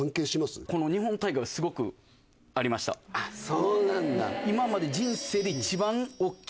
そうなんだ。